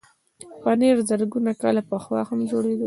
پنېر زرګونه کاله پخوا هم جوړېده.